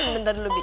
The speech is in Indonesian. bentar dulu bi